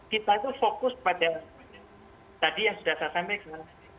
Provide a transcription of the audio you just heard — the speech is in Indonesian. kita itu fokus pada tadi yang sudah saya sampaikan